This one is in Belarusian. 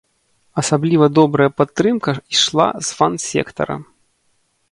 Асабліва добрая падтрымка ішла з фан-сектара.